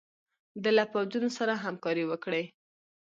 ده له پوځونو سره همکاري وکړي.